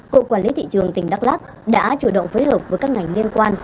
cộng quản lý thị trường tỉnh đắk lắc đã chủ động phối hợp với các ngành liên quan